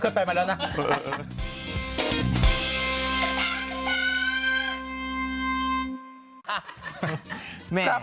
อ้อเคยแปลงมาแล้วนะ